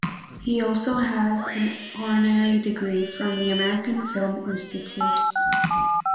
He also has an honorary degree from the American Film Institute.